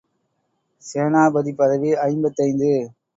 சேனாபதி பதவி ஐம்பத்தைந்து.